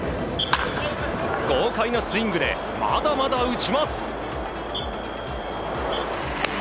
豪快なスイングでまだまだ打ちます！